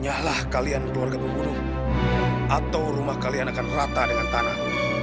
hanyalah kalian keluarga pembunuh atau rumah kalian akan rata dengan tanah